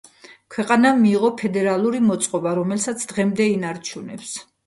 ქვეყანამ მიიღო ფედერალური მოწყობა, რომელსაც დღემდე ინარჩუნებს.